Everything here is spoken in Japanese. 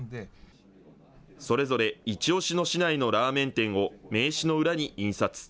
それぞれ一押しの市内のラーメン店を、名刺の裏に印刷。